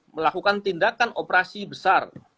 melakukan tindakan operasi besar